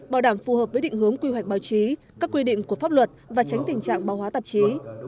bảo đảm phù hợp với định hướng quy hoạch báo chí các quy định của pháp luật và tránh tình trạng báo hóa tạp chí